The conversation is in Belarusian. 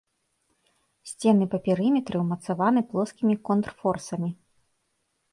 Сцены па перыметры ўмацаваны плоскімі контрфорсамі.